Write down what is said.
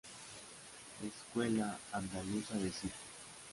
Escuela Andaluza de Circo.